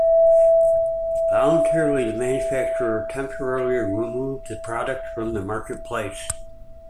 Voluntarily, the manufacturer temporarily removed the product from the marketplace.